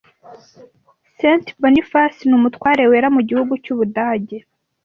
St Boniface ni Umutware wera mu gihugu cy'Ubudage